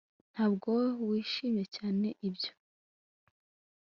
Ntabwo wishimye cyane nibyo